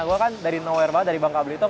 gue kan dari nowhere banget dari bangka belitung